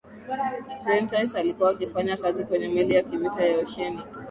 prentice alikuwa akifanya kazi kwenye meli ya kivita ya oceanic